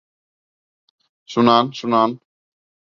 Шунан, шунан?!